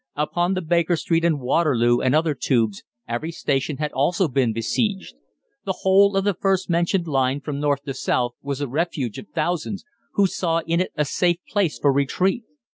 Upon the Baker Street and Waterloo and other "Tubes," every station had also been besieged. The whole of the first mentioned line from north to south was the refuge of thousands, who saw in it a safe place for retreat.